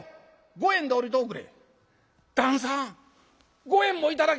五円で下りとおくれ」。